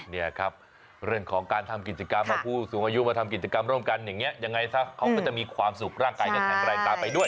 นี่ครับเรื่องของการทำกิจกรรมเอาผู้สูงอายุมาทำกิจกรรมร่วมกันอย่างนี้ยังไงซะเขาก็จะมีความสุขร่างกายก็แข็งแรงตามไปด้วย